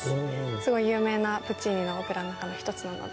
すごい有名なプッチーニのオペラの中の一つなので。